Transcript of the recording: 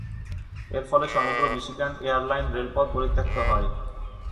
এর ফলে সমগ্র মিশিগান এয়ার লাইন রেলপথ পরিত্যক্ত হয়।